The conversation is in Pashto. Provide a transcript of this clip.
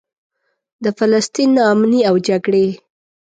د فلسطین نا امني او جګړې.